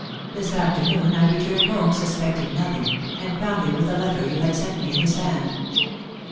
This afternoon I returned home suspecting nothing, and found him with a letter you had sent me in his hand.